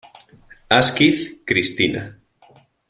Asquith, Christina.